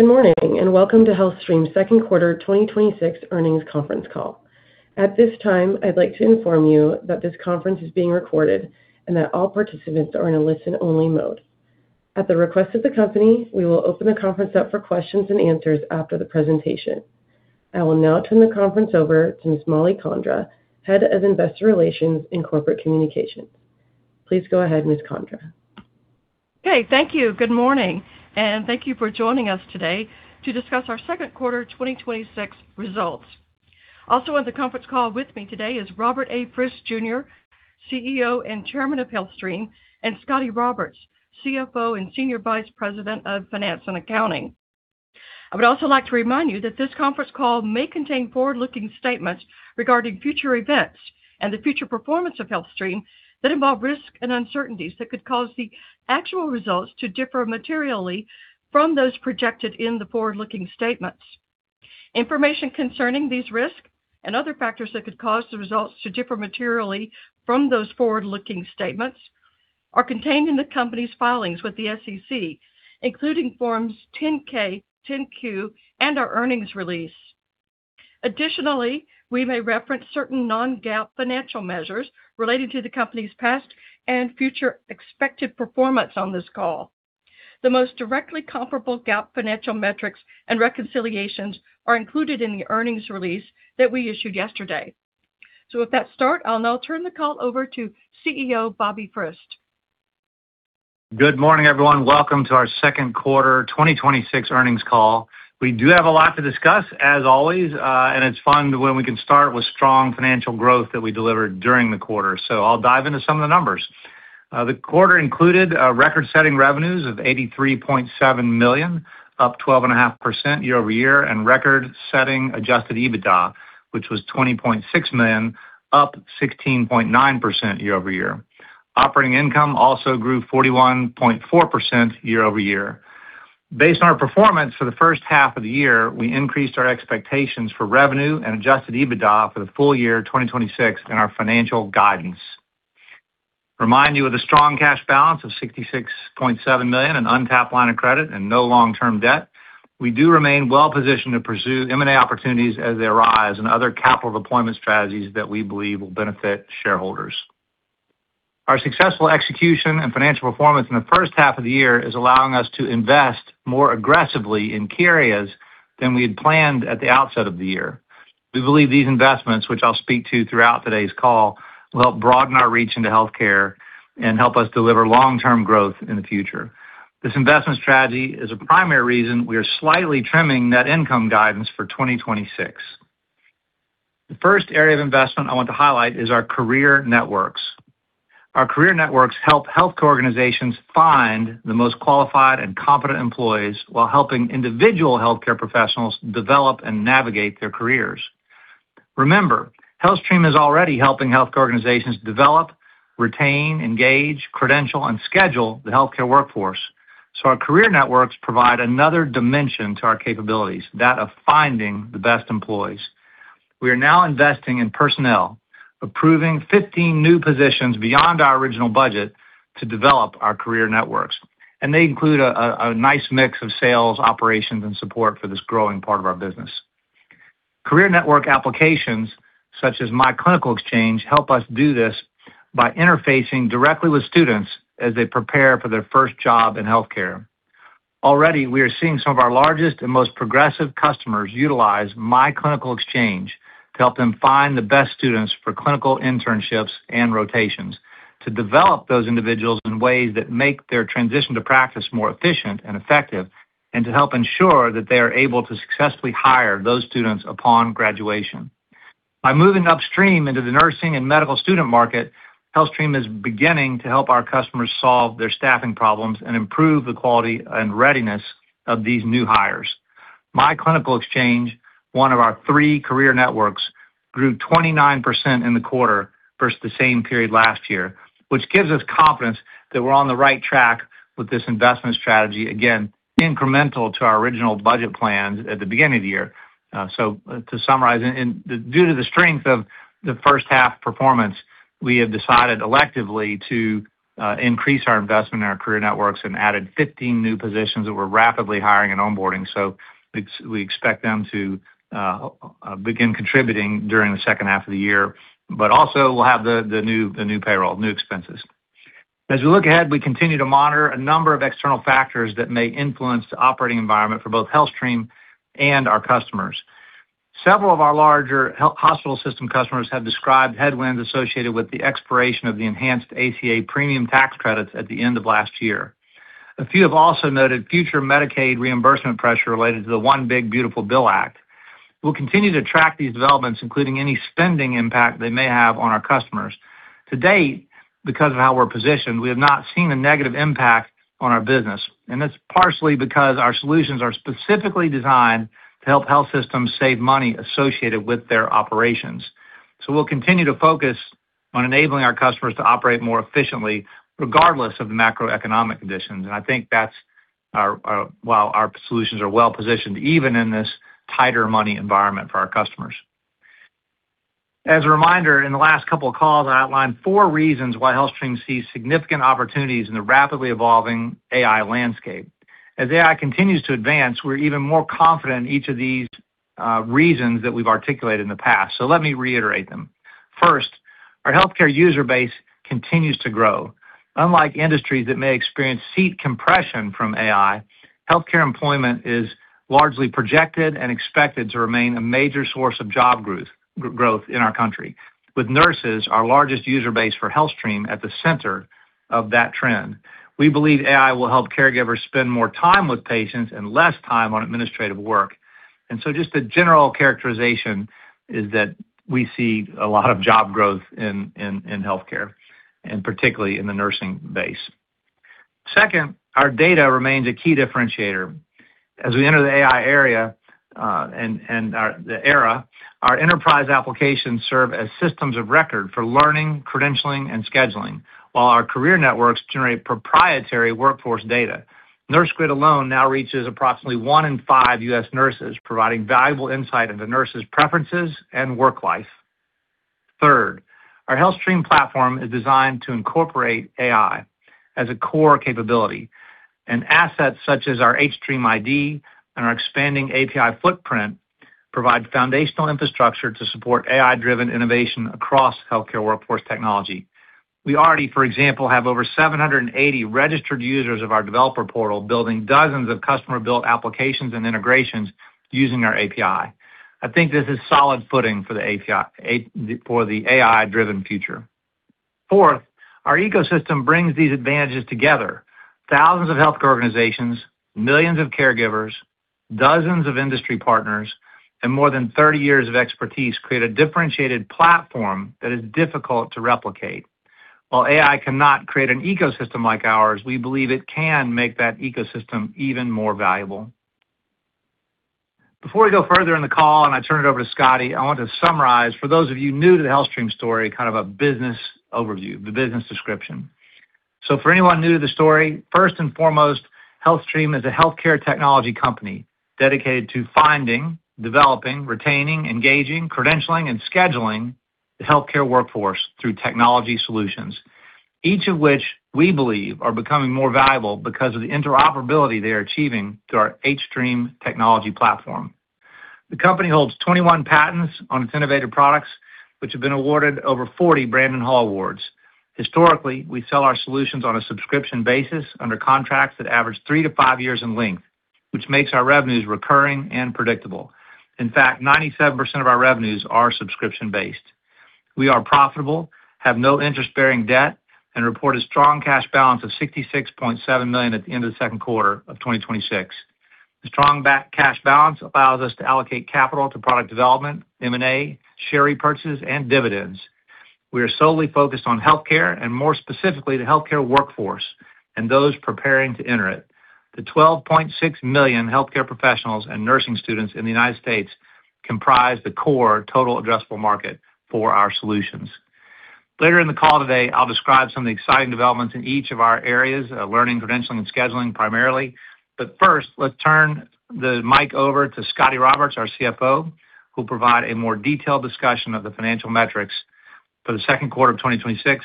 Good morning, and welcome to HealthStream's second quarter 2026 earnings conference call. At this time, I'd like to inform you that this conference is being recorded, and that all participants are in a listen-only mode. At the request of the company, we will open the conference up for questions and answers after the presentation. I will now turn the conference over to Ms. Mollie Condra, Head of Investor Relations and Corporate Communications. Please go ahead, Ms. Condra. Thank you. Good morning, and thank you for joining us today to discuss our second quarter 2026 results. On the conference call with me today is Robert A. Frist Jr., CEO and Chairman of HealthStream, and Scotty Roberts, CFO and Senior Vice President of Finance and Accounting. I would also like to remind you that this conference call may contain forward-looking statements regarding future events and the future performance of HealthStream that involve risks and uncertainties that could cause the actual results to differ materially from those projected in the forward-looking statements. Information concerning these risks and other factors that could cause the results to differ materially from those forward-looking statements are contained in the company's filings with the SEC, including Forms 10-K, Forms 10-Q, and our earnings release. We may reference certain non-GAAP financial measures related to the company's past and future expected performance on this call. The most directly comparable GAAP financial metrics and reconciliations are included in the earnings release that we issued yesterday. With that start, I'll now turn the call over to CEO Bobby Frist. Good morning, everyone. Welcome to our second quarter 2026 earnings call. We do have a lot to discuss as always, and it's fun when we can start with strong financial growth that we delivered during the quarter. I'll dive into some of the numbers. The quarter included record-setting revenues of $83.7 million, up 12.5% year-over-year, and record-setting adjusted EBITDA, which was $20.6 million, up 16.9% year-over-year. Operating income also grew 41.4% year-over-year. Based on our performance for the first half of the year, we increased our expectations for revenue and adjusted EBITDA for the full-year 2026 in our financial guidance. Remind you of the strong cash balance of $66.7 million and untapped line of credit and no long-term debt. We do remain well-positioned to pursue M&A opportunities as they arise and other capital deployment strategies that we believe will benefit shareholders. Our successful execution and financial performance in the first half of the year is allowing us to invest more aggressively in key areas than we had planned at the outset of the year. We believe these investments, which I'll speak to throughout today's call, will help broaden our reach into healthcare and help us deliver long-term growth in the future. This investment strategy is a primary reason we are slightly trimming net income guidance for 2026. The first area of investment I want to highlight is our career networks. Our career networks help healthcare organizations find the most qualified and competent employees while helping individual healthcare professionals develop and navigate their careers. Remember, HealthStream is already helping healthcare organizations develop, retain, engage, credential, and schedule the healthcare workforce. Our career networks provide another dimension to our capabilities, that of finding the best employees. We are now investing in personnel, approving 15 new positions beyond our original budget to develop our career networks. They include a nice mix of sales, operations, and support for this growing part of our business. Career network applications such as myClinicalExchange help us do this by interfacing directly with students as they prepare for their first job in healthcare. Already, we are seeing some of our largest and most progressive customers utilize myClinicalExchange to help them find the best students for clinical internships and rotations, to develop those individuals in ways that make their transition to practice more efficient and effective, and to help ensure that they are able to successfully hire those students upon graduation. By moving upstream into the nursing and medical student market, HealthStream is beginning to help our customers solve their staffing problems and improve the quality and readiness of these new hires. myClinicalExchange, one of our three career networks, grew 29% in the quarter versus the same period last year, which gives us confidence that we're on the right track with this investment strategy, again, incremental to our original budget plans at the beginning of the year. To summarize, due to the strength of the first half performance, we have decided electively to increase our investment in our career networks and added 15 new positions that we're rapidly hiring and onboarding. We expect them to begin contributing during the second half of the year, but also we'll have the new payroll, new expenses. As we look ahead, we continue to monitor a number of external factors that may influence the operating environment for both HealthStream and our customers. Several of our larger hospital system customers have described headwinds associated with the expiration of the enhanced ACA premium tax credits at the end of last year. A few have also noted future Medicaid reimbursement pressure related to the One Big Beautiful Bill Act. We'll continue to track these developments, including any spending impact they may have on our customers. To date, because of how we're positioned, we have not seen a negative impact on our business, and that's partially because our solutions are specifically designed to help health systems save money associated with their operations. We'll continue to focus on enabling our customers to operate more efficiently, regardless of the macroeconomic conditions. I think that's why our solutions are well-positioned, even in this tighter money environment for our customers. As a reminder, in the last couple of calls, I outlined four reasons why HealthStream sees significant opportunities in the rapidly evolving AI landscape. As AI continues to advance, we're even more confident in each of these reasons that we've articulated in the past. Let me reiterate them. First, our healthcare user base continues to grow. Unlike industries that may experience seat compression from AI, healthcare employment is largely projected and expected to remain a major source of job growth in our country, with nurses, our largest user base for HealthStream, at the center of that trend. We believe AI will help caregivers spend more time with patients and less time on administrative work. Just a general characterization is that we see a lot of job growth in healthcare, and particularly in the nursing base. Second, our data remains a key differentiator. As we enter the AI era, our enterprise applications serve as systems of record for learning, credentialing, and scheduling. While our career networks generate proprietary workforce data. Nursegrid alone now reaches approximately one in five U.S. nurses, providing valuable insight into nurses' preferences and work life. Third, our HealthStream platform is designed to incorporate AI as a core capability, and assets such as our hStream ID and our expanding API footprint provide foundational infrastructure to support AI-driven innovation across healthcare workforce technology. We already, for example, have over 780 registered users of our developer portal building dozens of customer-built applications and integrations using our API. I think this is solid footing for the AI-driven future. Fourth, our ecosystem brings these advantages together. Thousands of healthcare organizations, millions of caregivers, dozens of industry partners, and more than 30 years of expertise create a differentiated platform that is difficult to replicate. While AI cannot create an ecosystem like ours, we believe it can make that ecosystem even more valuable. Before we go further in the call, and I turn it over to Scotty, I want to summarize, for those of you new to the HealthStream story, kind of a business overview, the business description. For anyone new to the story, first and foremost, HealthStream is a healthcare technology company dedicated to finding, developing, retaining, engaging, credentialing, and scheduling the healthcare workforce through technology solutions. Each of which we believe are becoming more valuable because of the interoperability they are achieving through our hStream technology platform. The company holds 21 patents on its innovative products, which have been awarded over 40 Brandon Hall Awards. Historically, we sell our solutions on a subscription basis under contracts that average three to five years in length, which makes our revenues recurring and predictable. In fact, 97% of our revenues are subscription-based. We are profitable, have no interest-bearing debt, and report a strong cash balance of $66.7 million at the end of the second quarter of 2026. The strong cash balance allows us to allocate capital to product development, M&A, share repurchases, and dividends. We are solely focused on healthcare, and more specifically, the healthcare workforce and those preparing to enter it. The 12.6 million healthcare professionals and nursing students in the United States comprise the core total addressable market for our solutions. Later in the call today, I'll describe some of the exciting developments in each of our areas of learning, credentialing, and scheduling primarily. First, let's turn the mic over to Scotty Roberts, our CFO, who'll provide a more detailed discussion of the financial metrics for the second quarter of 2026,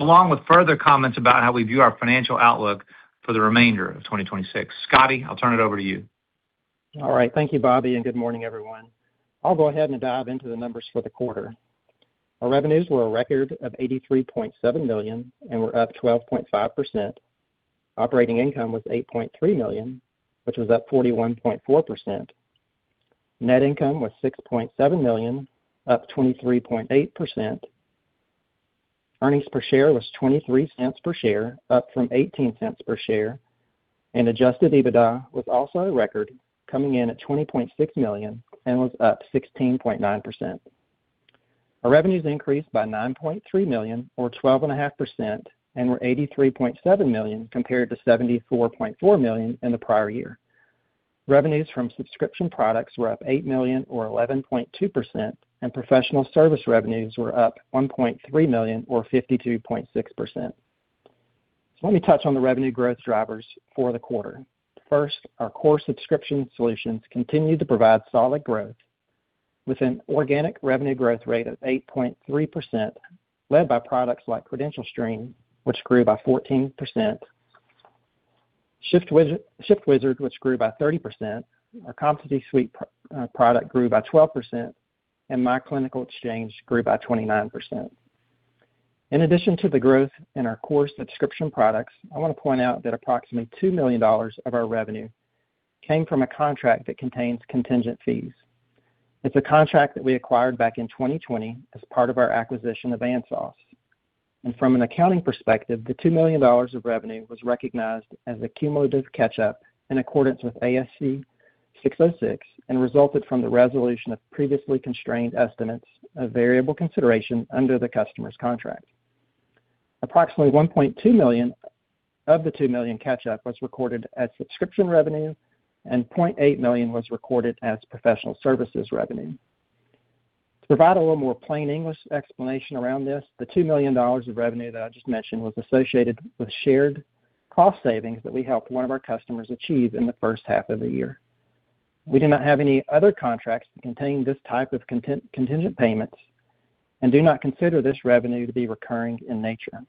along with further comments about how we view our financial outlook for the remainder of 2026. Scotty, I'll turn it over to you. All right. Thank you, Bobby, and good morning, everyone. I'll go ahead and dive into the numbers for the quarter. Our revenues were a record of $83.7 million and were up 12.5%. Operating income was $8.3 million, which was up 41.4%. Net income was $6.7 million, up 23.8%. Earnings per share was $0.23 per share, up from $0.18 per share. Adjusted EBITDA was also a record, coming in at $20.6 million and was up 16.9%. Our revenues increased by $9.3 million or 12.5% and were $83.7 million, compared to $74.4 million in the prior year. Revenues from subscription products were up $8 million or 11.2%, and professional service revenues were up $1.3 million or 52.6%. Let me touch on the revenue growth drivers for the quarter. First, our core subscription solutions continue to provide solid growth with an organic revenue growth rate of 8.3%, led by products like CredentialStream, which grew by 14%. ShiftWizard, which grew by 30%. Our Competency Suite product grew by 12%, and myClinicalExchange grew by 29%. In addition to the growth in our core subscription products, I want to point out that approximately $2 million of our revenue came from a contract that contains contingent fees. It's a contract that we acquired back in 2020 as part of our acquisition of ANSOS. From an accounting perspective, the $2 million of revenue was recognized as a cumulative catch-up in accordance with ASC 606 and resulted from the resolution of previously constrained estimates of variable consideration under the customer's contract. Approximately $1.2 million of the $2 million catch-up was recorded as subscription revenue, and $0.8 million was recorded as professional services revenue. To provide a little more plain English explanation around this, the $2 million of revenue that I just mentioned was associated with shared cost savings that we helped one of our customers achieve in the first half of the year. We do not have any other contracts containing this type of contingent payments and do not consider this revenue to be recurring in nature.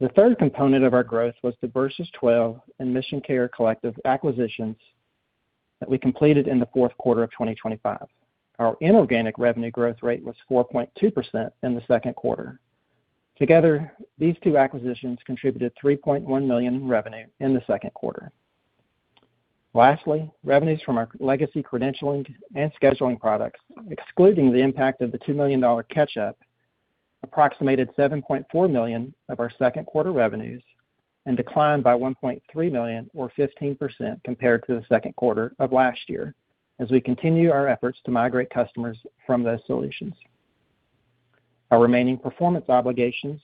The third component of our growth was the Virsys12 and MissionCare Collective acquisitions that we completed in the fourth quarter of 2025. Our inorganic revenue growth rate was 4.2% in the second quarter. Together, these two acquisitions contributed $3.1 million in revenue in the second quarter. Lastly, revenues from our legacy credentialing and scheduling products, excluding the impact of the $2 million catch-up, approximated $7.4 million of our second quarter revenues and declined by $1.3 million or 15% compared to the second quarter of last year, as we continue our efforts to migrate customers from those solutions. Our remaining performance obligations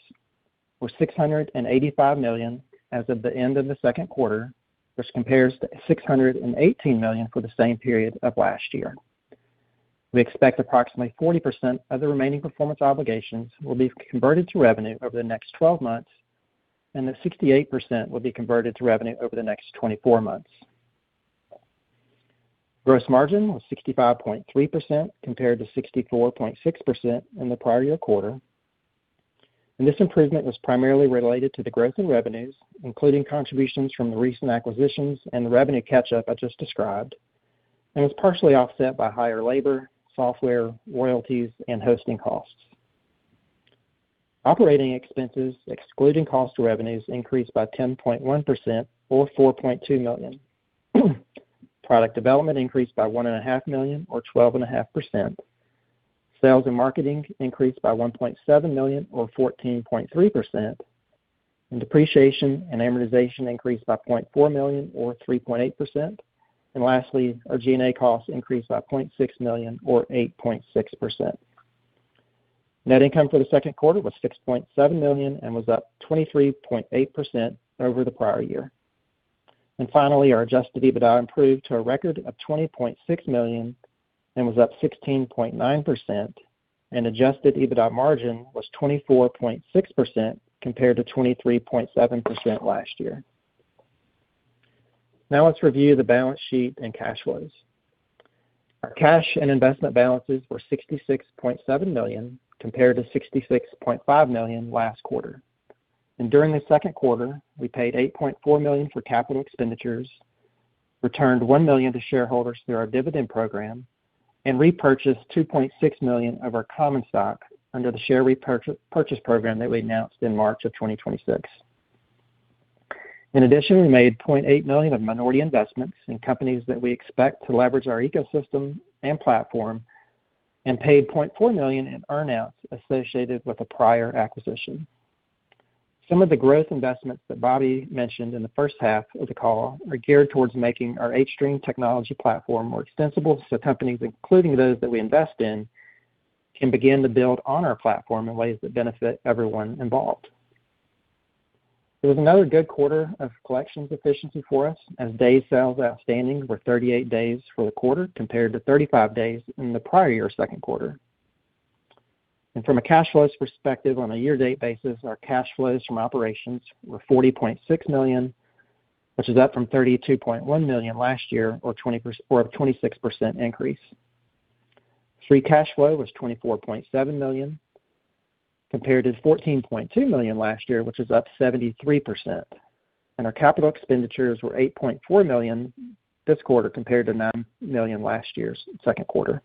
were $685 million as of the end of the second quarter, which compares to $618 million for the same period of last year. We expect approximately 40% of the remaining performance obligations will be converted to revenue over the next 12 months, and that 68% will be converted to revenue over the next 24 months. Gross margin was 65.3%, compared to 64.6% in the prior year quarter. This improvement was primarily related to the growth in revenues, including contributions from the recent acquisitions and the revenue catch-up I just described, and was partially offset by higher labor, software, royalties, and hosting costs. Operating expenses, excluding cost to revenues, increased by 10.1% or $4.2 million. Product development increased by $1.5 million or 12.5%. Sales and marketing increased by $1.7 million or 14.3%, and depreciation and amortization increased by $0.4 million or 3.8%. Lastly, our G&A costs increased by $0.6 million or 8.6%. Net income for the second quarter was $6.7 million and was up 23.8% over the prior year. Finally, our adjusted EBITDA improved to a record of $20.6 million and was up 16.9%, and adjusted EBITDA margin was 24.6%, compared to 23.7% last year. Now let's review the balance sheet and cash flows. Our cash and investment balances were $66.7 million, compared to $66.5 million last quarter. During the second quarter, we paid $8.4 million for capital expenditures, returned $1 million to shareholders through our dividend program, and repurchased $2.6 million of our common stock under the share repurchase program that we announced in March of 2026. In addition, we made $0.8 million of minority investments in companies that we expect to leverage our ecosystem and platform and paid $0.4 million in earn-outs associated with a prior acquisition. Some of the growth investments that Bobby mentioned in the first half of the call are geared towards making our hStream technology platform more extensible, so companies, including those that we invest in, can begin to build on our platform in ways that benefit everyone involved. It was another good quarter of collections efficiency for us as day sales outstanding were 38 days for the quarter, compared to 35 days in the prior year second quarter. From a cash flows perspective, on a year-to-date basis, our cash flows from operations were $40.6 million, which is up from $32.1 million last year or a 26% increase. Free cash flow was $24.7 million compared to $14.2 million last year, which is up 73%. Our capital expenditures were $8.4 million this quarter compared to $9 million last year's second quarter.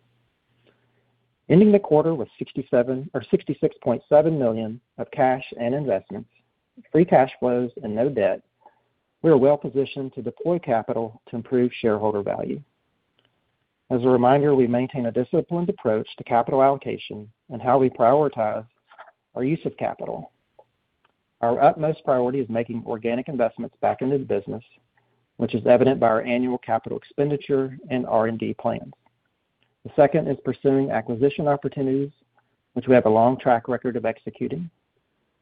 Ending the quarter with $66.7 million of cash and investments, free cash flows, and no debt, we are well positioned to deploy capital to improve shareholder value. As a reminder, we maintain a disciplined approach to capital allocation and how we prioritize our use of capital. Our utmost priority is making organic investments back into the business, which is evident by our annual capital expenditure and R&D plans. The second is pursuing acquisition opportunities, which we have a long track record of executing.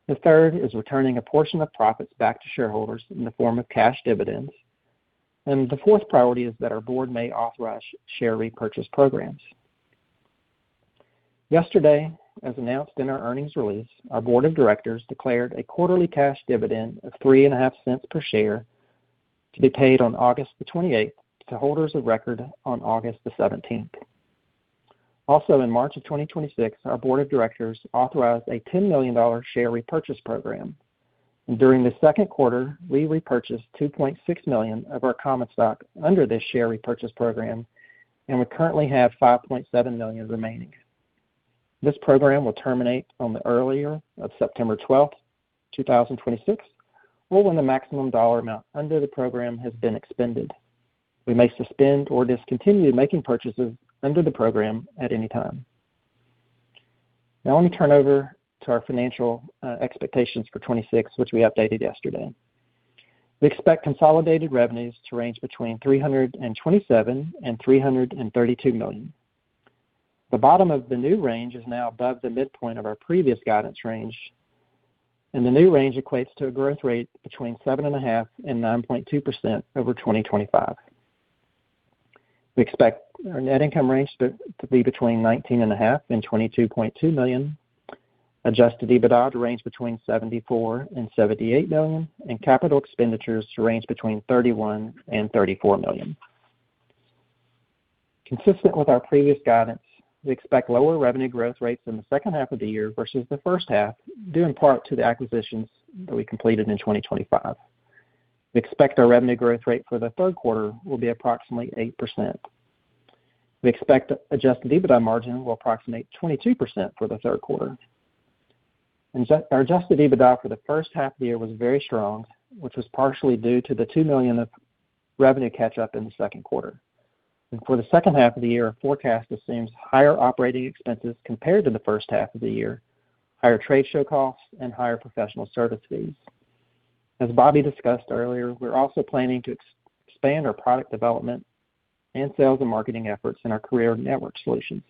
The third is returning a portion of profits back to shareholders in the form of cash dividends. The fourth priority is that our board may authorize share repurchase programs. Yesterday, as announced in our earnings release, our board of directors declared a quarterly cash dividend of $0.035 per share to be paid on August 28th to holders of record on August 17th. Also, in March 2026, our board of directors authorized a $10 million share repurchase program. During the second quarter, we repurchased $2.6 million of our common stock under this share repurchase program, and we currently have $5.7 million remaining. This program will terminate on the earlier of September 12, 2026, or when the maximum dollar amount under the program has been expended. We may suspend or discontinue making purchases under the program at any time. Let me turn over to our financial expectations for 2026, which we updated yesterday. We expect consolidated revenues to range between $327 million and $332 million. The bottom of the new range is now above the midpoint of our previous guidance range, and the new range equates to a growth rate between 7.5% and 9.2% over 2025. We expect our net income range to be between $19.5 million and $22.2 million. Adjusted EBITDA to range between $74 million and $78 million, and capital expenditures to range between $31 million and $34 million. Consistent with our previous guidance, we expect lower revenue growth rates in the second half of the year versus the first half, due in part to the acquisitions that we completed in 2025. We expect our revenue growth rate for the third quarter will be approximately 8%. We expect adjusted EBITDA margin will approximate 22% for the third quarter. Our adjusted EBITDA for the first half of the year was very strong, which was partially due to the $2 million of revenue catch-up in the second quarter. For the second half of the year, our forecast assumes higher operating expenses compared to the first half of the year, higher trade show costs, and higher professional service fees. As Bobby discussed earlier, we're also planning to expand our product development and sales and marketing efforts in our career network solutions.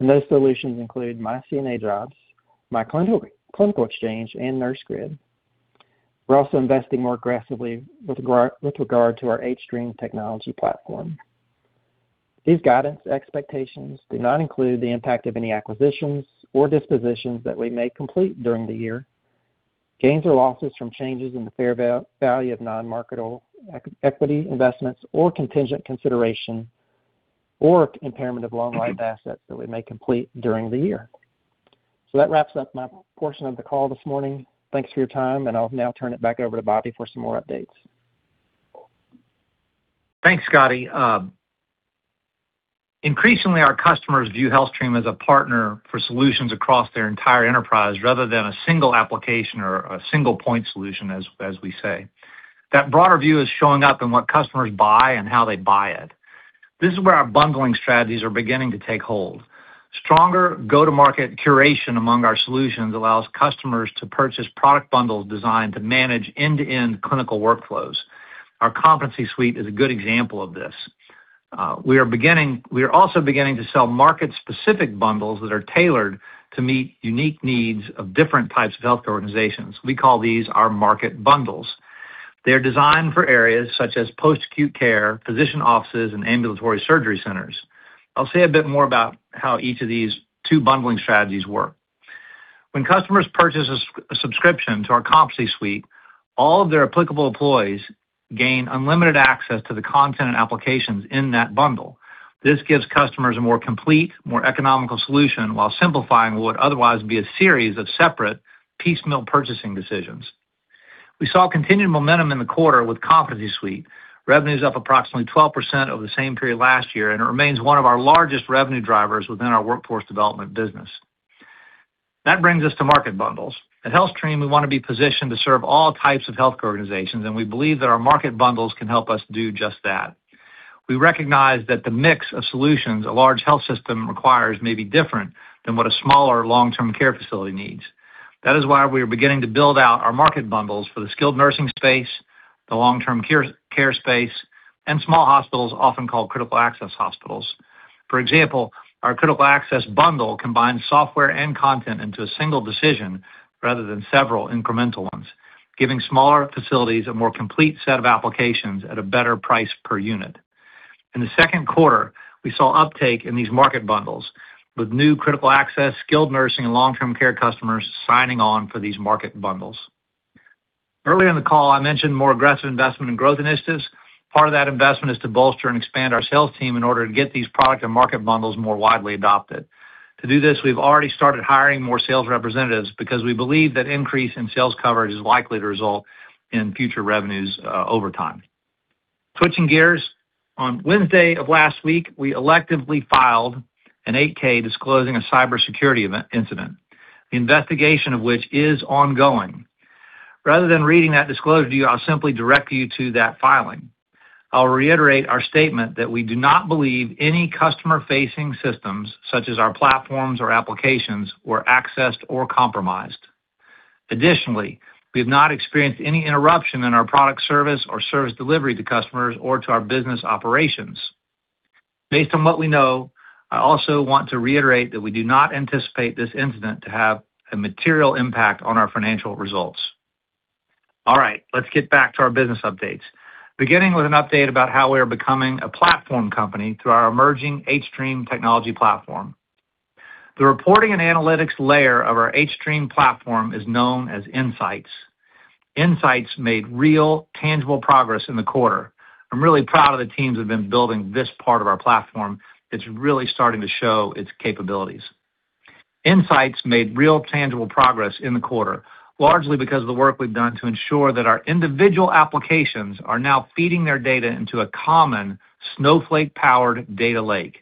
Those solutions include myCNAjobs, myClinicalExchange, and Nursegrid. We're also investing more aggressively with regard to our hStream technology platform. These guidance expectations do not include the impact of any acquisitions or dispositions that we may complete during the year, gains or losses from changes in the fair value of non-marketable equity investments or contingent consideration, or impairment of long-life assets that we may complete during the year. That wraps up my portion of the call this morning. Thanks for your time, and I'll now turn it back over to Bobby for some more updates. Thanks, Scotty. Increasingly, our customers view HealthStream as a partner for solutions across their entire enterprise rather than a single application or a single point solution, as we say. That broader view is showing up in what customers buy and how they buy it. This is where our bundling strategies are beginning to take hold. Stronger go-to-market curation among our solutions allows customers to purchase product bundles designed to manage end-to-end clinical workflows. Our Competency Suite is a good example of this. We are also beginning to sell market-specific bundles that are tailored to meet unique needs of different types of healthcare organizations. We call these our market bundles. They're designed for areas such as post-acute care, physician offices, and ambulatory surgery centers. I'll say a bit more about how each of these two bundling strategies work. When customers purchase a subscription to our Competency Suite, all of their applicable employees gain unlimited access to the content and applications in that bundle. This gives customers a more complete, more economical solution while simplifying what would otherwise be a series of separate piecemeal purchasing decisions. We saw continued momentum in the quarter with Competency Suite. Revenue's up approximately 12% over the same period last year, and it remains one of our largest revenue drivers within our workforce development business. That brings us to market bundles. At HealthStream, we want to be positioned to serve all types of healthcare organizations, and we believe that our market bundles can help us do just that. We recognize that the mix of solutions a large health system requires may be different than what a smaller long-term care facility needs. That is why we are beginning to build out our market bundles for the skilled nursing space, the long-term care space, and small hospitals, often called critical access hospitals. For example, our critical access bundle combines software and content into a single decision rather than several incremental ones, giving smaller facilities a more complete set of applications at a better price per unit. In the second quarter, we saw uptake in these market bundles with new critical access, skilled nursing, and long-term care customers signing on for these market bundles. Early in the call, I mentioned more aggressive investment in growth initiatives. Part of that investment is to bolster and expand our sales team in order to get these product and market bundles more widely adopted. To do this, we've already started hiring more sales representatives because we believe that increase in sales coverage is likely to result in future revenues over time. Switching gears, on Wednesday of last week, we electively filed an 8-K disclosing a cybersecurity incident, the investigation of which is ongoing. Rather than reading that disclosure to you, I'll simply direct you to that filing. I'll reiterate our statement that we do not believe any customer-facing systems, such as our platforms or applications, were accessed or compromised. Additionally, we have not experienced any interruption in our product service or service delivery to customers or to our business operations. Based on what we know, I also want to reiterate that we do not anticipate this incident to have a material impact on our financial results. All right, let's get back to our business updates, beginning with an update about how we are becoming a platform company through our emerging hStream technology platform. The reporting and analytics layer of our hStream platform is known as Insights. Insights made real, tangible progress in the quarter. I'm really proud of the teams that have been building this part of our platform. It's really starting to show its capabilities. Insights made real, tangible progress in the quarter, largely because of the work we've done to ensure that our individual applications are now feeding their data into a common Snowflake-powered data lake.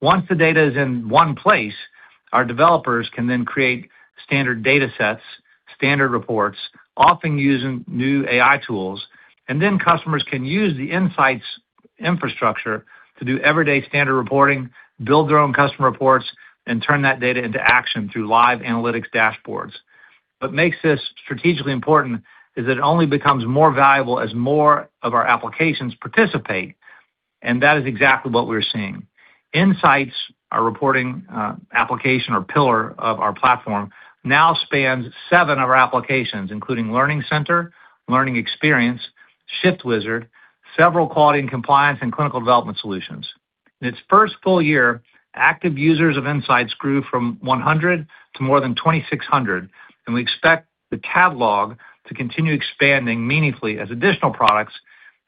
Once the data is in one place, our developers can then create standard datasets, standard reports, often using new AI tools, and then customers can use the Insights infrastructure to do everyday standard reporting, build their own custom reports, and turn that data into action through live analytics dashboards. What makes this strategically important is that it only becomes more valuable as more of our applications participate, and that is exactly what we're seeing. Insights, our reporting application or pillar of our platform, now spans seven of our applications, including Learning Center, Learning Experience, ShiftWizard, several quality and compliance and clinical development solutions. In its first full-year, active users of Insights grew from 100 to more than 2,600, and we expect the catalog to continue expanding meaningfully as additional products,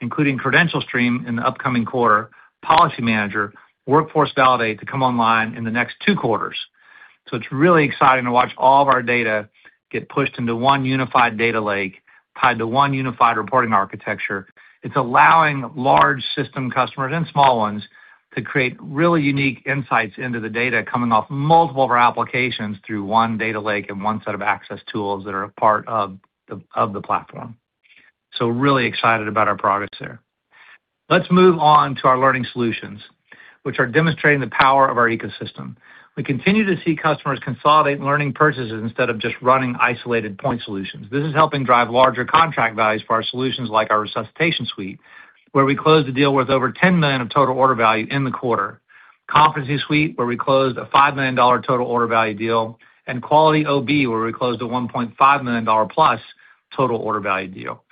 including CredentialStream in the upcoming quarter, Policy Manager, Workforce Validate, to come online in the next two quarters. It's really exciting to watch all of our data get pushed into one unified data lake tied to one unified reporting architecture. It's allowing large system customers and small ones to create really unique insights into the data coming off multiple of our applications through one data lake and one set of access tools that are a part of the platform. Really excited about our progress there. Let's move on to our learning solutions, which are demonstrating the power of our ecosystem. We continue to see customers consolidate learning purchases instead of just running isolated point solutions. This is helping drive larger contract values for our solutions like our Resuscitation Suite, where we closed a deal worth over $10 million of total order value in the quarter. Competency Suite, where we closed a $5 million total order value deal, and Quality OB, where we closed a $1.5 million+ total order value deal.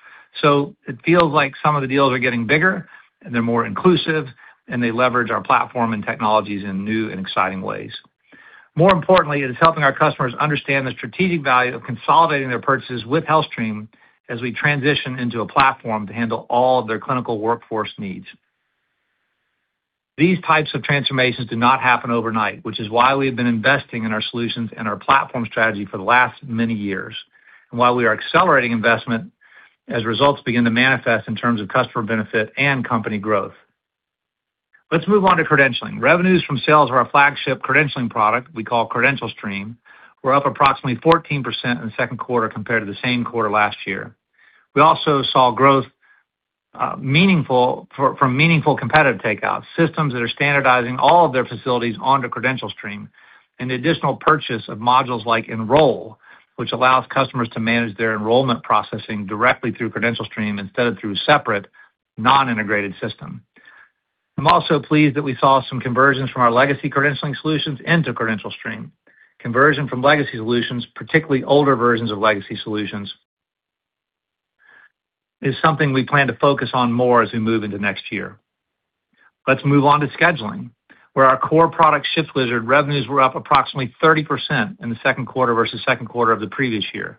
It feels like some of the deals are getting bigger, and they're more inclusive, and they leverage our platform and technologies in new and exciting ways. More importantly, it is helping our customers understand the strategic value of consolidating their purchases with HealthStream as we transition into a platform to handle all of their clinical workforce needs. These types of transformations do not happen overnight, which is why we have been investing in our solutions and our platform strategy for the last many years. Why we are accelerating investment as results begin to manifest in terms of customer benefit and company growth. Let's move on to credentialing. Revenues from sales of our flagship credentialing product we call CredentialStream, were up approximately 14% in the second quarter compared to the same quarter last year. We also saw growth from meaningful competitive takeouts. Systems that are standardizing all of their facilities onto CredentialStream, and the additional purchase of modules like Enroll, which allows customers to manage their enrollment processing directly through CredentialStream instead of through a separate, non-integrated system. I'm also pleased that we saw some conversions from our legacy credentialing solutions into CredentialStream. Conversion from legacy solutions, particularly older versions of legacy solutions, is something we plan to focus on more as we move into next year. Let's move on to scheduling, where our core product, ShiftWizard revenues, were up approximately 30% in the second quarter versus second quarter of the previous year.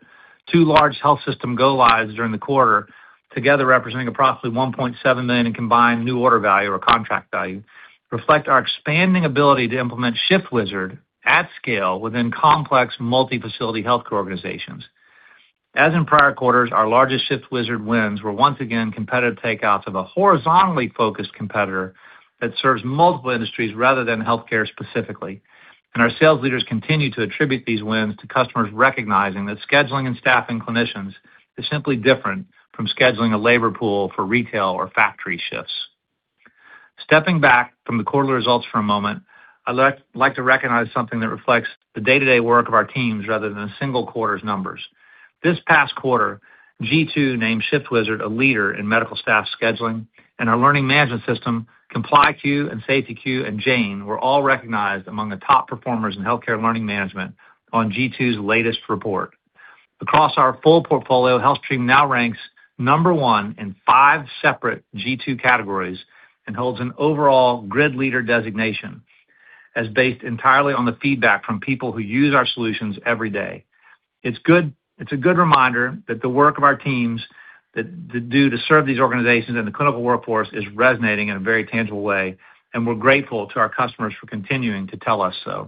Two large health system go lives during the quarter, together representing approximately $1.7 million in combined new order value or contract value, reflect our expanding ability to implement ShiftWizard at scale within complex multi-facility healthcare organizations. As in prior quarters, our largest ShiftWizard wins were once again competitive takeouts of a horizontally focused competitor that serves multiple industries rather than healthcare specifically. Our sales leaders continue to attribute these wins to customers recognizing that scheduling and staffing clinicians is simply different from scheduling a labor pool for retail or factory shifts. Stepping back from the quarterly results for a moment, I'd like to recognize something that reflects the day-to-day work of our teams rather than a single quarter's numbers. This past quarter, G2 named ShiftWizard a leader in medical staff scheduling and our learning management system, ComplyQ and SafetyQ and Jane, were all recognized among the top performers in healthcare learning management on G2's latest report. Across our full portfolio, HealthStream now ranks number one in five separate G2 categories and holds an overall grid leader designation as based entirely on the feedback from people who use our solutions every day. It's a good reminder that the work of our teams that they do to serve these organizations and the clinical workforce is resonating in a very tangible way, and we're grateful to our customers for continuing to tell us so.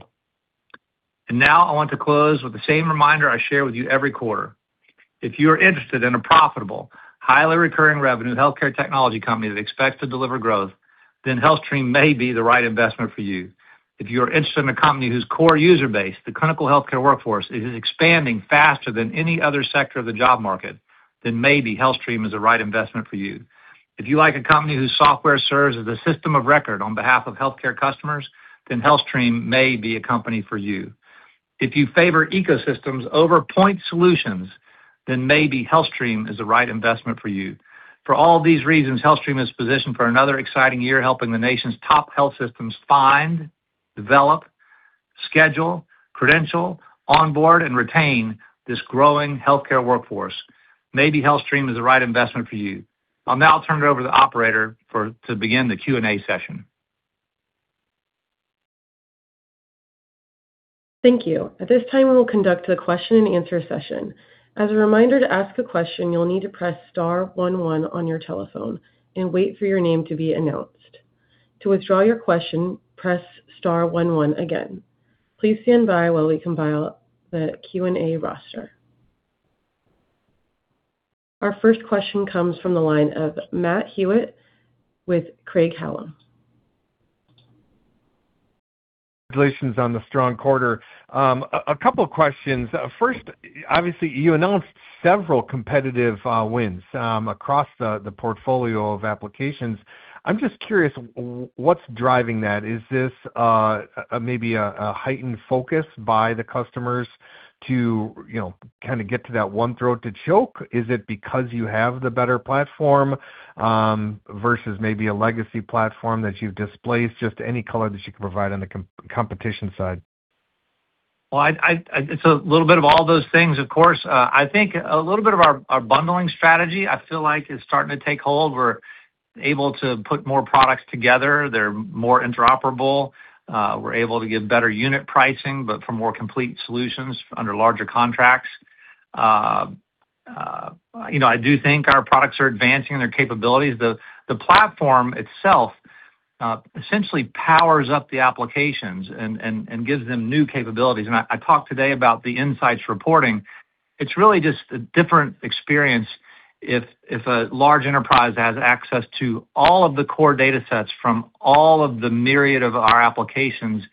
Now I want to close with the same reminder I share with you every quarter. If you are interested in a profitable, highly recurring revenue healthcare technology company that expects to deliver growth, then HealthStream may be the right investment for you. If you are interested in a company whose core user base, the clinical healthcare workforce, is expanding faster than any other sector of the job market, then maybe HealthStream is the right investment for you. If you like a company whose software serves as a system of record on behalf of healthcare customers, then HealthStream may be a company for you. If you favor ecosystems over point solutions, then maybe HealthStream is the right investment for you. For all these reasons, HealthStream is positioned for another exciting year helping the nation's top health systems find, develop, schedule, credential, onboard, and retain this growing healthcare workforce. Maybe HealthStream is the right investment for you. I'll now turn it over to the operator to begin the Q&A session. Thank you. At this time, we will conduct a question and answer session. As a reminder, to ask a question, you'll need to press star one one on your telephone and wait for your name to be announced. To withdraw your question, press star one one again. Please stand by while we compile the Q&A roster. Our first question comes from the line of Matt Hewitt with Craig-Hallum. Congratulations on the strong quarter. A couple questions. First, obviously, you announced several competitive wins across the portfolio of applications. I'm just curious, what's driving that? Is this maybe a heightened focus by the customers to kind of get to that one throat to choke? Is it because you have the better platform versus maybe a legacy platform that you've displaced? Just any color that you can provide on the competition side. Well, it's a little bit of all those things, of course. I think a little bit of our bundling strategy, I feel like, is starting to take hold. We're able to put more products together. They're more interoperable. We're able to give better unit pricing, but for more complete solutions under larger contracts. I do think our products are advancing in their capabilities. The platform itself essentially powers up the applications and gives them new capabilities. I talked today about the Insights reporting. It's really just a different experience if a large enterprise has access to all of the core data sets from all of the myriad of our applications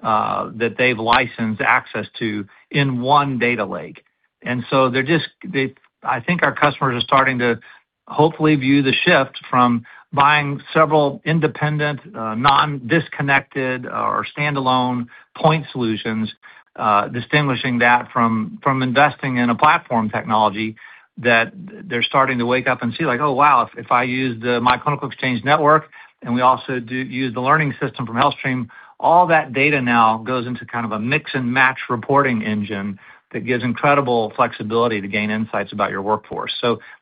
that they've licensed access to in one data lake. I think our customers are starting to hopefully view the shift from buying several independent, non-disconnected or standalone point solutions, distinguishing that from investing in a platform technology that they're starting to wake up and see, like, oh, wow, if I use the myClinicalExchange network and we also do use the learning system from HealthStream, all that data now goes into kind of a mix-and-match reporting engine that gives incredible flexibility to gain insights about your workforce.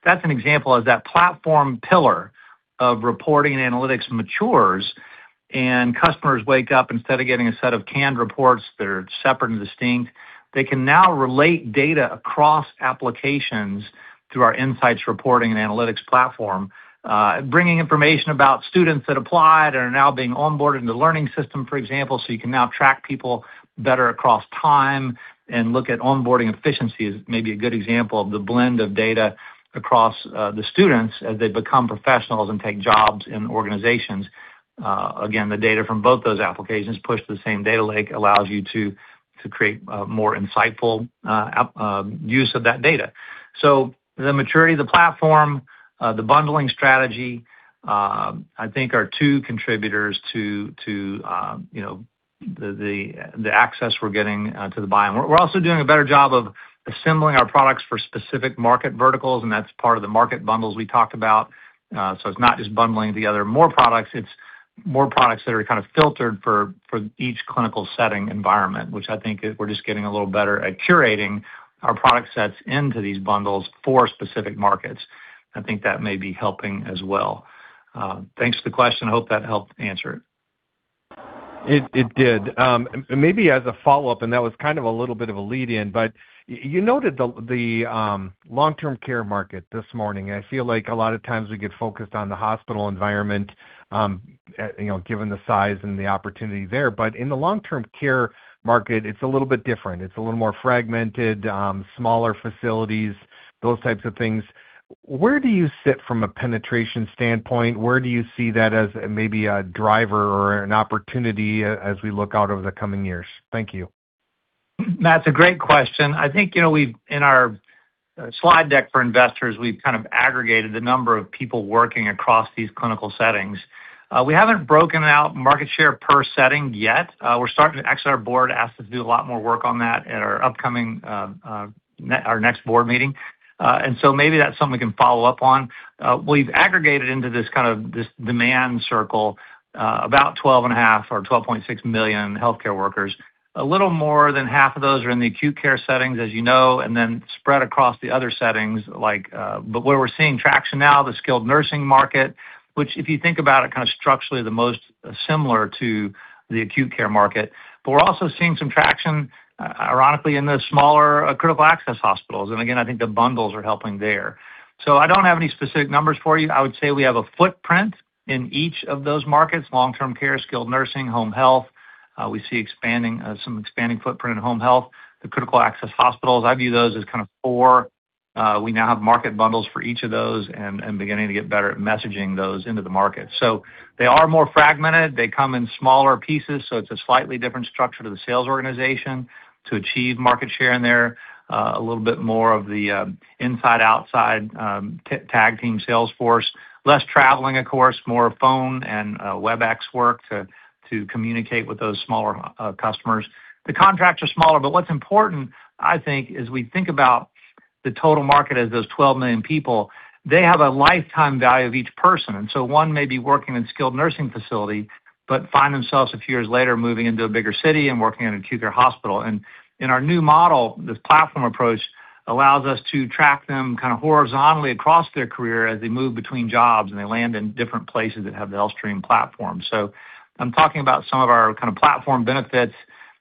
That's an example. As that platform pillar of reporting and analytics matures and customers wake up, instead of getting a set of canned reports that are separate and distinct, they can now relate data across applications through our Insights reporting and analytics platform. Bringing information about students that applied and are now being onboarded into learning system, for example, so you can now track people better across time and look at onboarding efficiency is maybe a good example of the blend of data across the students as they become professionals and take jobs in organizations. Again, the data from both those applications pushed to the same data lake allows you to create more insightful use of that data. The maturity of the platform, the bundling strategy, I think are two contributors to the access we're getting to the buy-in. We're also doing a better job of assembling our products for specific market verticals, and that's part of the market bundles we talked about. It's not just bundling together more products. It's more products that are kind of filtered for each clinical setting environment, which I think we're just getting a little better at curating our product sets into these bundles for specific markets. I think that may be helping as well. Thanks for the question. Hope that helped answer it. It did. Maybe as a follow-up, and that was kind of a little bit of a lead in, but you noted the long-term care market this morning. I feel like a lot of times we get focused on the hospital environment, given the size and the opportunity there. In the long-term care market, it's a little bit different. It's a little more fragmented, smaller facilities, those types of things. Where do you sit from a penetration standpoint? Where do you see that as maybe a driver or an opportunity as we look out over the coming years? Thank you. Matt, it's a great question. I think in our slide deck for investors, we've kind of aggregated the number of people working across these clinical settings. We haven't broken out market share per setting yet. Actually, our board asked us to do a lot more work on that at our next board meeting. Maybe that's something we can follow up on. We've aggregated into this kind of, this demand circle about 12.5 million or 12.6 million healthcare workers. A little more than half of those are in the acute care settings, as you know, and then spread across the other settings. Where we're seeing traction now, the skilled nursing market, which, if you think about it, kind of structurally the most similar to the acute care market. We're also seeing some traction, ironically, in the smaller critical access hospitals. Again, I think the bundles are helping there. I don't have any specific numbers for you. I would say we have a footprint in each of those markets, long-term care, skilled nursing, home health. We see some expanding footprint in home health. The critical access hospitals, I view those as kind of four. We now have market bundles for each of those and beginning to get better at messaging those into the market. They are more fragmented. They come in smaller pieces, so it's a slightly different structure to the sales organization to achieve market share in there. A little bit more of the inside/outside tag-team sales force. Less traveling, of course, more phone and Webex work to communicate with those smaller customers. The contracts are smaller, what's important, I think, as we think about the total market as those 12 million people, they have a lifetime value of each person. One may be working in a skilled nursing facility, but find themselves a few years later moving into a bigger city and working in an acute care hospital. In our new model, this platform approach allows us to track them kind of horizontally across their career as they move between jobs and they land in different places that have the HealthStream platform. I'm talking about some of our kind of platform benefits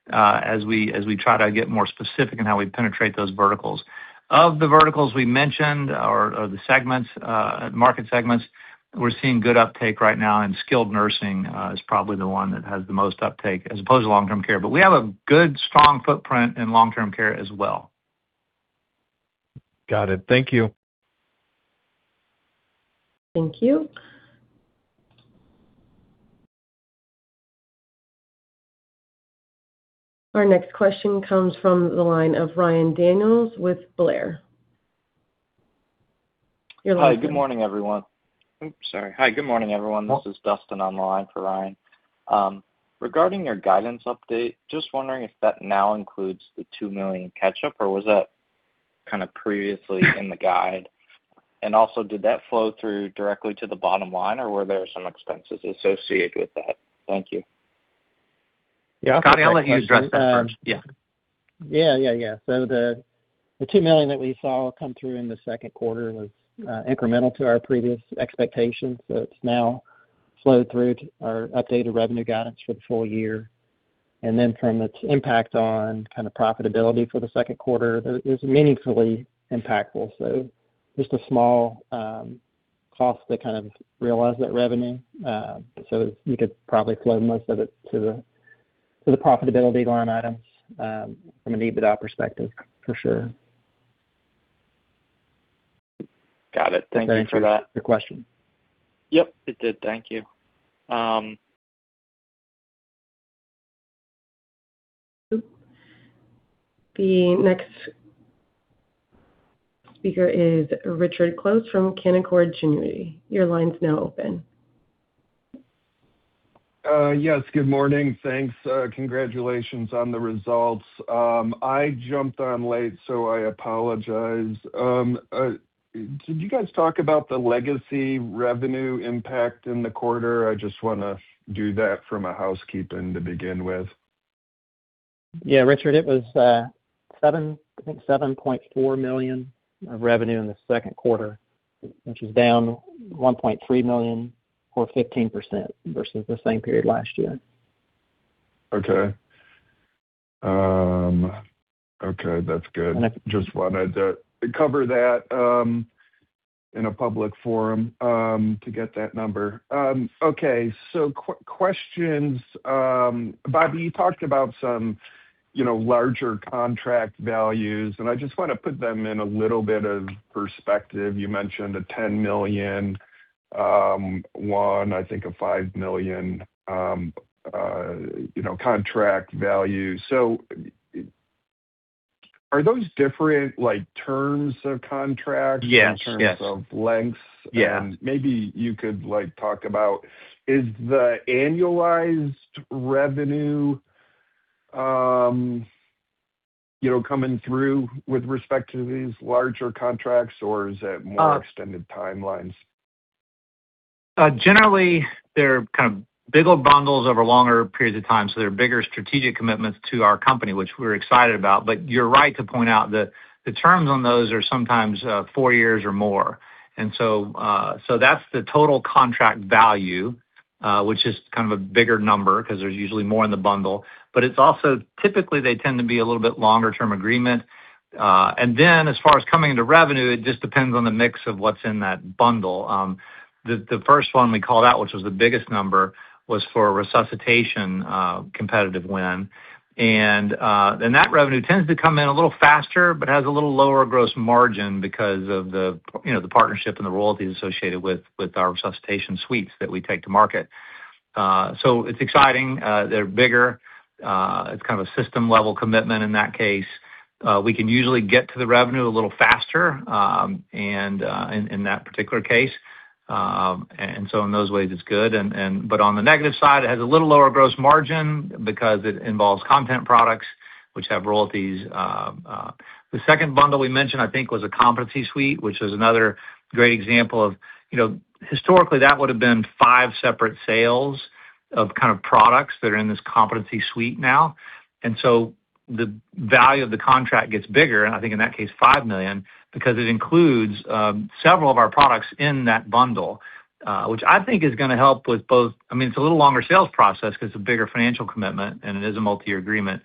as we try to get more specific in how we penetrate those verticals. Of the verticals we mentioned, or the market segments, we're seeing good uptake right now, skilled nursing is probably the one that has the most uptake as opposed to long-term care. We have a good, strong footprint in long-term care as well. Got it. Thank you. Thank you. Our next question comes from the line of Ryan Daniels with Blair. Your line's open. Hi, good morning, everyone. Hi, good morning, everyone. This is Dustin on the line for Ryan. Regarding your guidance update, just wondering if that now includes the $2 million catch-up, or was that Kind of previously in the guide. Also, did that flow through directly to the bottom line, or were there some expenses associated with that? Thank you. Yeah. Scott, I'll let you address that first. Yeah. The $2 million that we saw come through in the second quarter was incremental to our previous expectations. It's now flowed through to our updated revenue guidance for the full-year. From its impact on kind of profitability for the second quarter, it was meaningfully impactful. Just a small cost to kind of realize that revenue. You could probably flow most of it to the profitability line items from an EBITDA perspective, for sure. Got it. Thank you for that. Thanks for your question. Yep, it did. Thank you. The next speaker is Richard Close from Canaccord Genuity. Your line's now open. Yes, good morning. Thanks. Congratulations on the results. I jumped on late, so I apologize. Did you guys talk about the legacy revenue impact in the quarter? I just want to do that from a housekeeping to begin with. Yeah, Richard. It was $7.4 million of revenue in the second quarter, which is down $1.3 million or 15% versus the same period last year. Okay. That's good. Just wanted to cover that in a public forum, to get that number. Okay. Questions. Bobby, you talked about some larger contract values, and I just want to put them in a little bit of perspective. You mentioned a $10 million one, I think a $5 million contract value. Are those different terms of contracts? Yes in terms of lengths? Yeah. maybe you could talk about, is the annualized revenue coming through with respect to these larger contracts, or is it more extended timelines? Generally, they're kind of bigger bundles over longer periods of time, so they're bigger strategic commitments to our company, which we're excited about. You're right to point out that the terms on those are sometimes four years or more. That's the total contract value, which is kind of a bigger number because there's usually more in the bundle. It's also, typically, they tend to be a little bit longer-term agreement. As far as coming into revenue, it just depends on the mix of what's in that bundle. The first one we called out, which was the biggest number, was for Resuscitation competitive win. That revenue tends to come in a little faster, but has a little lower gross margin because of the partnership and the royalties associated with our Resuscitation Suites that we take to market. It's exciting. They're bigger. It's kind of a system-level commitment in that case. We can usually get to the revenue a little faster in that particular case. In those ways, it's good. On the negative side, it has a little lower gross margin because it involves content products, which have royalties. The second bundle we mentioned, I think, was a Competency Suite, which is another great example of, historically that would have been five separate sales of kind of products that are in this Competency Suite now. The value of the contract gets bigger, and I think in that case, $5 million, because it includes several of our products in that bundle, which I think is going to help. It's a little longer sales process because it's a bigger financial commitment and it is a multi-year agreement.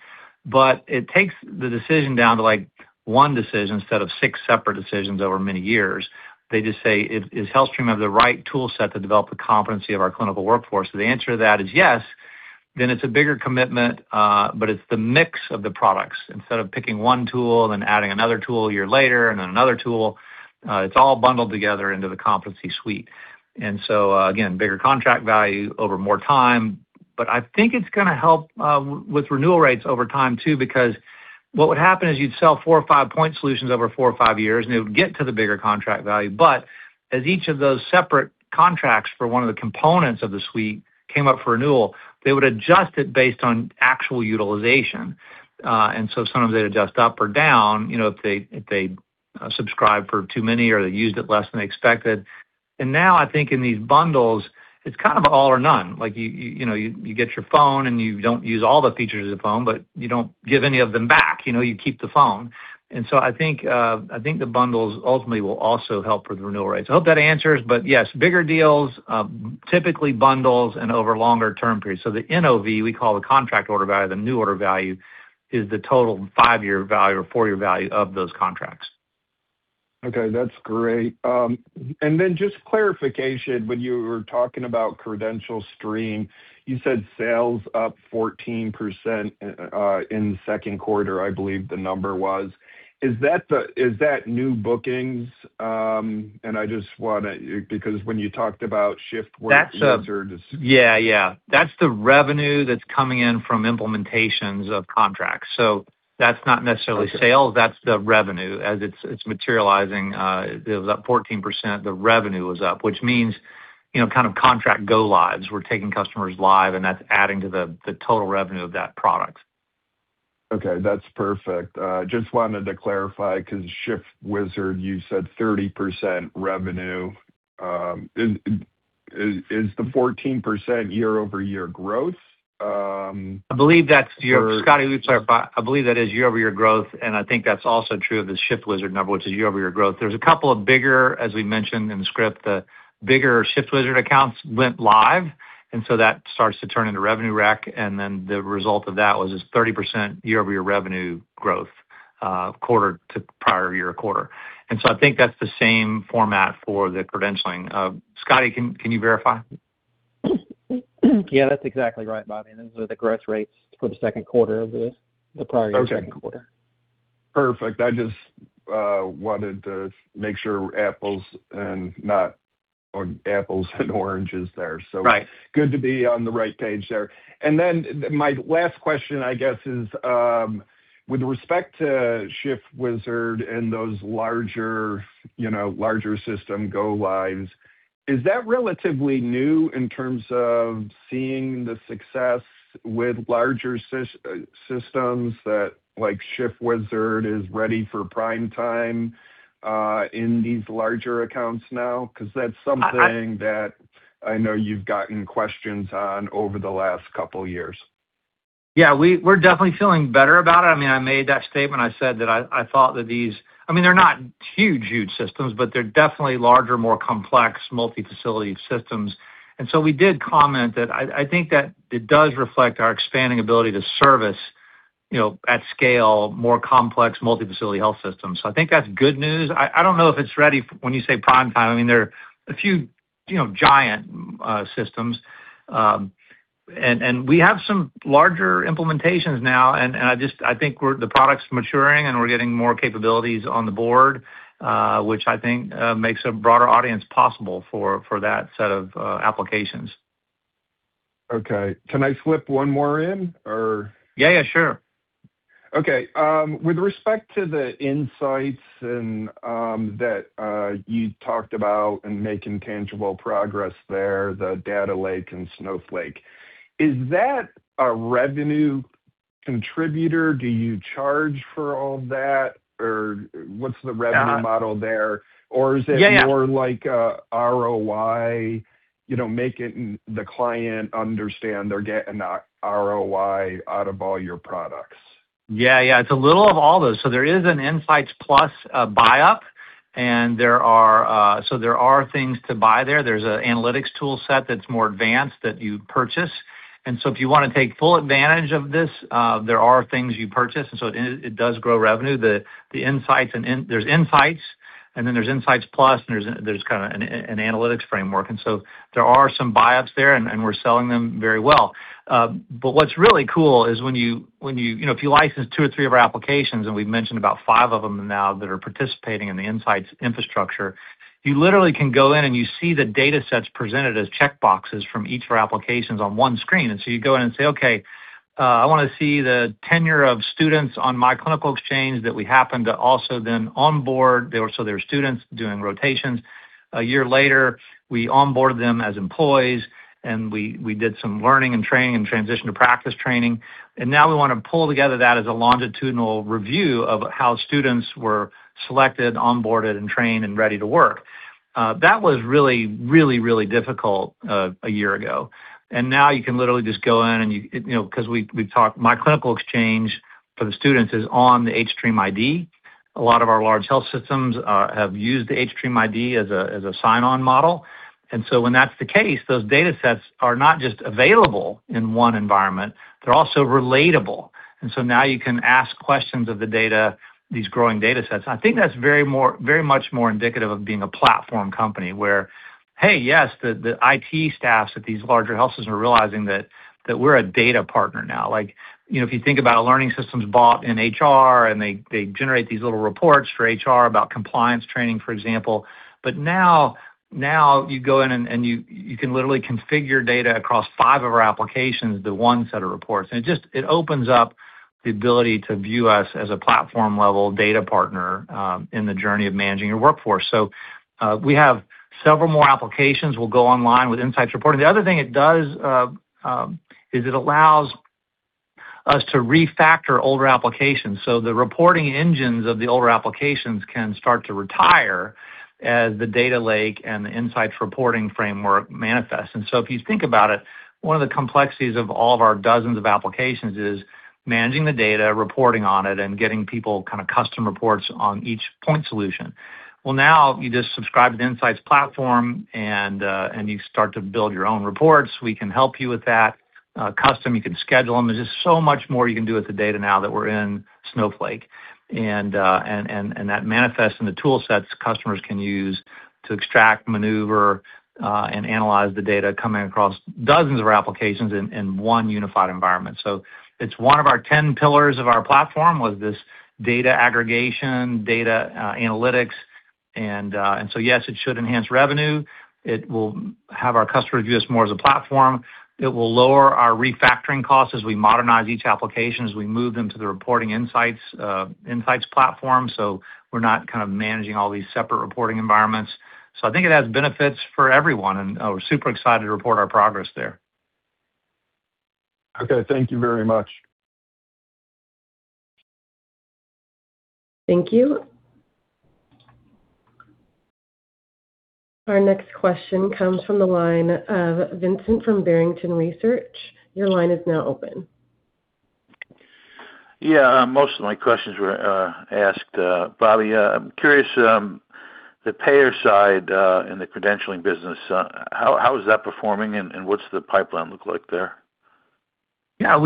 It takes the decision down to one decision instead of six separate decisions over many years. They just say, "Is HealthStream have the right tool set to develop the competency of our clinical workforce?" If the answer to that is yes, then it's a bigger commitment, but it's the mix of the products. Instead of picking one tool, then adding another tool a year later and then another tool, it's all bundled together into the Competency Suite. Again, bigger contract value over more time. I think it's going to help with renewal rates over time too because what would happen is you'd sell four or five-point solutions over four or five years, and it would get to the bigger contract value. As each of those separate contracts for one of the components of the suite came up for renewal, they would adjust it based on actual utilization. Sometimes they'd adjust up or down if they subscribe for too many or they used it less than they expected. Now I think in these bundles, it's kind of all or none. You get your phone and you don't use all the features of the phone, but you don't give any of them back. You keep the phone. I think the bundles ultimately will also help with renewal rates. I hope that answers, but yes, bigger deals, typically bundles and over longer-term periods. So the NOV, we call the contract order value, the new order value is the total five-year value or four-year value of those contracts. Okay, that's great. Then just clarification, when you were talking about CredentialStream, you said sales up 14% in the second quarter, I believe the number was. Is that new bookings? Because when you talked about ShiftWizard. Yeah. That's the revenue that's coming in from implementations of contracts. That's not necessarily sales. That's the revenue as it's materializing. It was up 14%, the revenue was up, which means kind of contract go lives. We're taking customers live and that's adding to the total revenue of that product. Okay. That's perfect. Just wanted to clarify because ShiftWizard, you said 30% revenue. Is the 14% year-over-year growth? Scotty, I believe that is year-over-year growth, I think that's also true of the ShiftWizard number, which is year-over-year growth. There's a couple of bigger, as we mentioned in the script, the bigger ShiftWizard accounts went live, that starts to turn into revenue rec. The result of that was this 30% year-over-year revenue growth, quarter to prior year quarter. I think that's the same format for the credentialing. Scotty, can you verify? Yeah, that's exactly right, Bobby. Those are the growth rates for the second quarter of the prior year, second quarter. Perfect. I just wanted to make sure apples or apples and oranges there. Right. Good to be on the right page there. My last question, I guess is, with respect to ShiftWizard and those larger system go lives, is that relatively new in terms of seeing the success with larger systems that, like ShiftWizard is ready for prime time, in these larger accounts now? That's something that I know you've gotten questions on over the last couple of years. Yeah, we're definitely feeling better about it. I made that statement. I said that I thought that They're not huge systems, but they're definitely larger, more complex, multi-facility systems. We did comment that I think that it does reflect our expanding ability to service at scale, more complex multi-facility health systems. I think that's good news. I don't know if it's when you say prime time, there are a few giant systems. We have some larger implementations now, and I think the product's maturing and we're getting more capabilities on the board, which I think makes a broader audience possible for that set of applications. Okay. Can I slip one more in or? Yeah, sure. Okay. With respect to the Insights and that you talked about and making tangible progress there, the data lake and Snowflake. Is that a revenue contributor? Do you charge for all that? What's the revenue model there? Yeah. Is it more like a ROI, making the client understand they're getting an ROI out of all your products? Yeah. It's a little of all those. There is an Insights+ buy-up, there are things to buy there. There's an analytics tool set that's more advanced that you purchase. If you want to take full advantage of this, there are things you purchase. It does grow revenue. There's Insights and then there's Insights+ and there's kind of an analytics framework. There are some buy-ups there, and we're selling them very well. What's really cool is when you, if you license two or three of our applications, and we've mentioned about five of them now that are participating in the Insights infrastructure. You literally can go in and you see the datasets presented as checkboxes from each of our applications on one screen. You go in and say, "Okay, I want to see the tenure of students on myClinicalExchange that we happen to also then onboard." They were students doing rotations. A year later, we onboard them as employees and we did some learning and training and transition to practice training, and now we want to pull together that as a longitudinal review of how students were selected, onboarded, and trained, and ready to work. That was really, really difficult a year ago. You can literally just go in and you because we've talked myClinicalExchange for the students is on the hStream ID. A lot of our large health systems have used the hStream ID as a sign-on model. When that's the case, those datasets are not just available in one environment, they're also relatable. Now you can ask questions of the data, these growing datasets. I think that's very much more indicative of being a platform company where, hey, yes, the IT staffs at these larger health systems are realizing that we're a data partner now. If you think about a learning systems bought in HR and they generate these little reports for HR about compliance training, for example, but now you go in and you can literally configure data across five of our applications, the one set of reports. It opens up the ability to view us as a platform level data partner, in the journey of managing your workforce. We have several more applications will go online with Insights reporting. The other thing it does, is it allows us to refactor older applications. The reporting engines of the older applications can start to retire as the data lake and the Insights reporting framework manifest. If you think about it, one of the complexities of all of our dozens of applications is managing the data, reporting on it, and getting people custom reports on each point solution. Well, now you just subscribe to the Insights platform and you start to build your own reports. We can help you with that. Custom, you can schedule them. There's just so much more you can do with the data now that we're in Snowflake and that manifests in the tool sets customers can use to extract, maneuver, and analyze the data coming across dozens of our applications in one unified environment. It's one of our 10 pillars of our platform was this data aggregation, data analytics. Yes, it should enhance revenue. It will have our customers view us more as a platform. It will lower our refactoring costs as we modernize each application, as we move them to the reporting Insights platform. We're not kind of managing all these separate reporting environments. I think it has benefits for everyone, and we're super excited to report our progress there. Okay. Thank you very much. Thank you. Our next question comes from the line of Vincent from Barrington Research. Your line is now open. Yeah. Most of my questions were asked. Bobby, I'm curious, the payer side in the credentialing business, how is that performing and what's the pipeline look like there? Yeah. The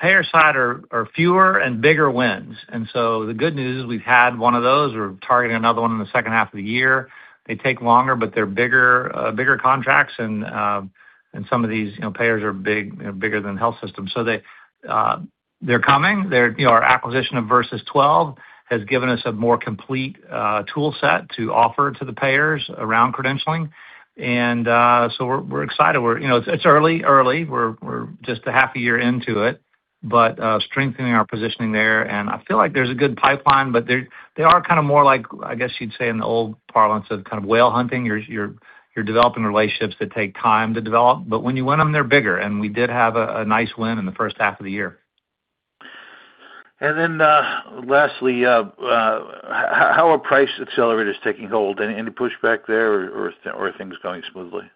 payer side are fewer and bigger wins. The good news is we've had one of those. We're targeting another one in the second half of the year. They take longer, but they're bigger contracts. Some of these payers are bigger than health systems. They're coming. Our acquisition of Virsys12 has given us a more complete tool set to offer to the payers around credentialing. We're excited. It's early. We're just a half a year into it, but strengthening our positioning there, and I feel like there's a good pipeline. They are more like, I guess you'd say in the old parlance of whale hunting. You're developing relationships that take time to develop, but when you win them, they're bigger, and we did have a nice win in the first half of the year. Lastly, how are price accelerators taking hold? Any pushback there or are things going smoothly?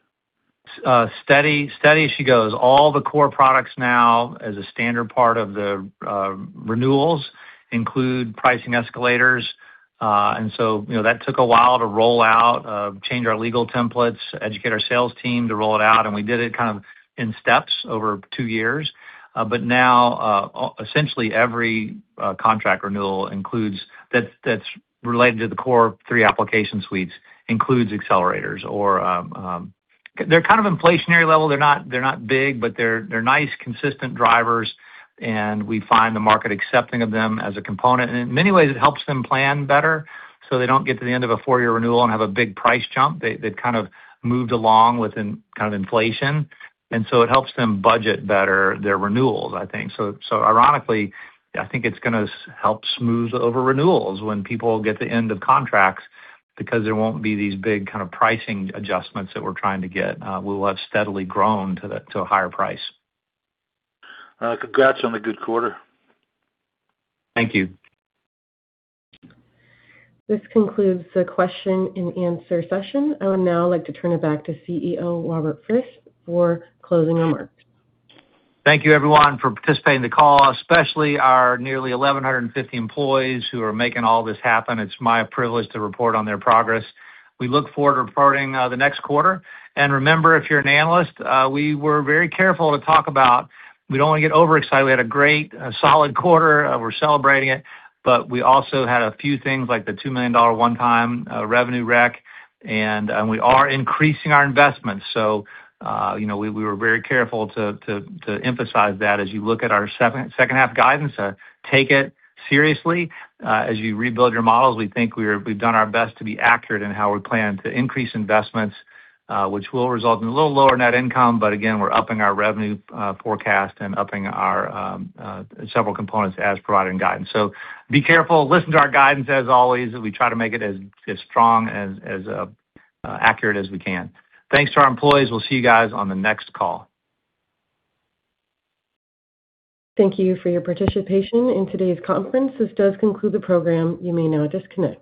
Steady she goes. All the core products now, as a standard part of the renewals, include pricing escalators. That took a while to roll out, change our legal templates, educate our sales team to roll it out, and we did it in steps over two years. Now, essentially every contract renewal that's related to the core three application suites includes accelerators. They're kind of inflationary level. They're not big, but they're nice, consistent drivers, and we find the market accepting of them as a component. In many ways, it helps them plan better so they don't get to the end of a four-year renewal and have a big price jump. They've moved along within inflation. It helps them budget better their renewals, I think. Ironically, I think it's going to help smooth over renewals when people get to end of contracts because there won't be these big pricing adjustments that we're trying to get. We will have steadily grown to a higher price. Congrats on a good quarter. Thank you. This concludes the question and answer session. I would now like to turn it back to CEO Robert Frist for closing remarks. Thank you everyone for participating in the call, especially our nearly 1,150 employees who are making all this happen. It's my privilege to report on their progress. We look forward to reporting the next quarter. Remember, if you're an analyst, we were very careful to talk about we'd only get overexcited. We had a great, solid quarter. We're celebrating it, but we also had a few things like the $2 million one-time revenue rec. We are increasing our investments. We were very careful to emphasize that. As you look at our second half guidance, take it seriously. As you rebuild your models, we think we've done our best to be accurate in how we plan to increase investments, which will result in a little lower net income. Again, we're upping our revenue forecast and upping our several components as provided in guidance. Be careful. Listen to our guidance as always. We try to make it as strong and as accurate as we can. Thanks to our employees. We'll see you guys on the next call. Thank you for your participation in today's conference. This does conclude the program. You may now disconnect.